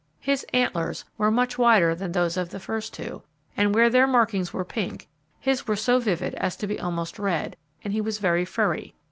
His 'antlers' were much wider than those of the first two, and where their markings were pink, his were so vivid as to be almost red, and he was very furry.